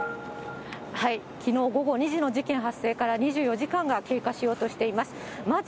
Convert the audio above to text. きのう午後２時の事件発生から２４時間が経過しようとしています。